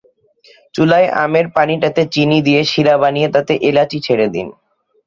চুলায় আমের পানিটাতে চিনি দিয়ে শিরা বানিয়ে তাতে এলাচি ছেড়ে দিন।